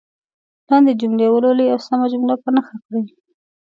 لاندې جملې ولولئ او سمه جمله په نښه کړئ.